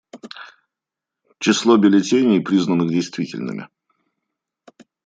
Число бюллетеней, признанных действительными.